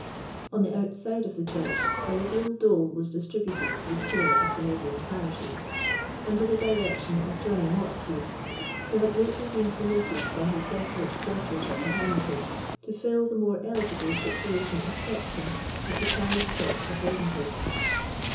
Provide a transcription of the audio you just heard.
On the outside of the church, a liberal dole was distributed to the poor of the neighbouring parishes, under the direction of Johnie Mortheuch [Mortsheugh], who had lately been promoted from his desolate quarters at the Hermitage to fill the more eligible situation of sexton at the parish church of Ravenswood.